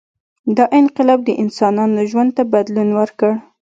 • دا انقلاب د انسانانو ژوند ته بدلون ورکړ.